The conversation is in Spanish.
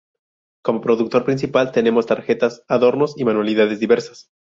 Como producto principal tenemos tarjetas, adornos y manualidades diversas.